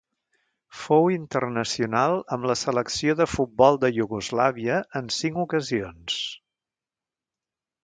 Fou internacional amb la selecció de futbol de Iugoslàvia en cinc ocasions.